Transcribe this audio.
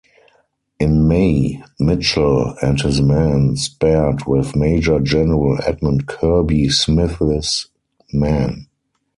In May, Mitchel and his men sparred with Major General Edmund Kirby Smith's men.